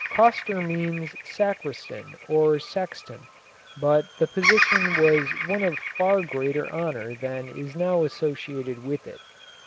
Coster means sacristan or sexton, but the position was one of far greater honour than is now associated with it.